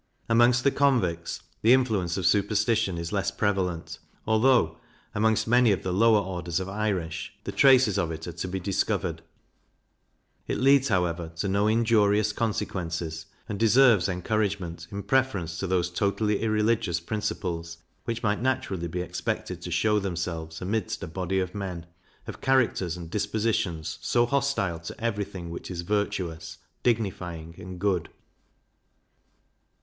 Amongst the convicts the influence of superstition is less prevalent, although, amongst many of the lower orders of Irish, the traces of it are to be discovered; it leads, however, to no injurious consequences, and deserves encouragement, in preference to those totally irreligious principles which might naturally be expected to shew themselves amidst a body of men, of characters and dispositions so hostile to every thing which is virtuous, dignifying, and good.